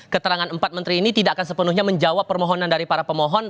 keterangan empat menteri ini tidak akan sepenuhnya menjawab permohonan dari para pemohon